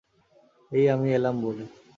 এই আমি এলাম বলে!